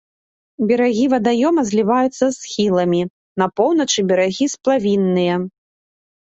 Берагі вадаёма зліваюцца з схіламі, на поўначы берагі сплавінныя.